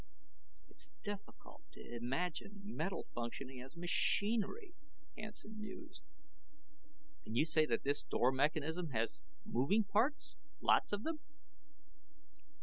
"It's difficult to imagine metal functioning as machinery," Hansen mused. "And you say that this door mechanism has moving parts, lots of them?"